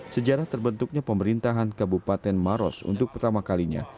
sejarah terbentuknya pemerintahan kabupaten maros untuk pertama kalinya